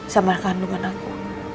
sama kandungan aku